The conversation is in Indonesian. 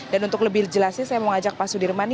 dan untuk lebih jelasnya saya mau ngajak pak sudirman